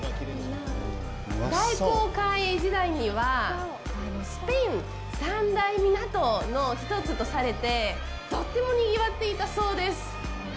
大航海時代にはスペイン三大港の１つとされてとってもにぎわっていたそうです。